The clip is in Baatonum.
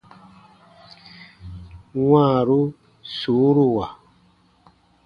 Wãaru suuruwa.